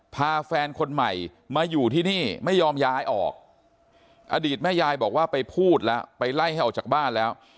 พาแฟนคนใหม่มาอยู่ที่นี่ไม่ยอมย้ายออกอดีตแม่ยายบอกว่าไปพูดแล้วไปไล่ให้ออกจากบ้านแล้ว